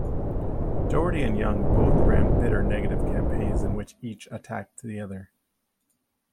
Dougherty and Young both ran bitter, negative campaigns in which each attacked the other.